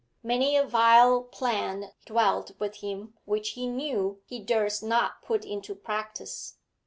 Many a vile plan dwelt with him which he knew he durst not put into practice.